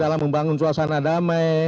dalam membangun suasana damai